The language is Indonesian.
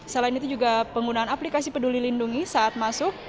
selain itu juga penggunaan aplikasi peduli lindungi saat masuk